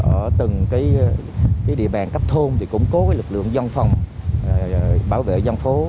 ở từng cái địa bàn cấp thôn thì củng cố lực lượng dân phòng bảo vệ dân phố